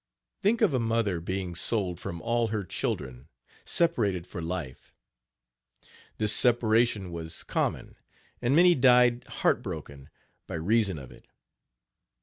Think of a mother being sold from all her children separated for life! This separation was common, and many died heart broken, by reason of it.